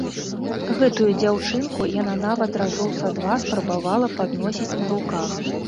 Гэтую дзяўчынку яна нават разоў са два спрабавала падносіць на руках.